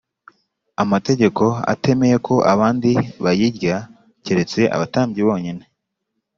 amategeko atemeye ko abandi bayirya, keretse abatambyi bonyine?”